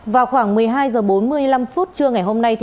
vào khoảng một mươi hai h bốn mươi năm phút trưa ngày hôm nay